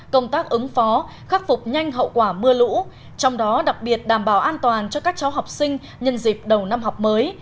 công tác ứng phó khắc phục nhanh hậu quả mưa lũ trong đó đặc biệt đảm bảo an toàn cho các cháu học sinh nhân dịp đầu năm học mới